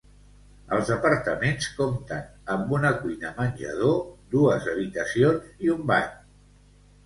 Els apartaments compten amb una cuina-menjador, dues habitacions i un bany.